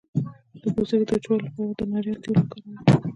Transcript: د پوستکي د وچوالي لپاره د ناریل تېل وکاروئ